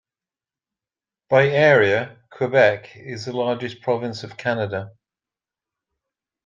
By area, Quebec is the largest province of Canada.